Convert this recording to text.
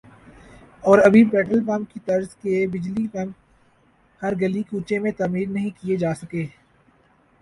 اور ابھی petrol pump کی طرز کے بجلی پمپ ہر گلی کوچے میں تعمیر نہیں کئے جاسکے